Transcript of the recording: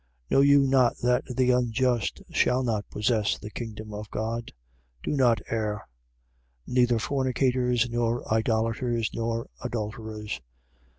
Know you not that the unjust shall not possess the kingdom of God? Do not err: Neither fornicators nor idolaters nor adulterers: 6:10.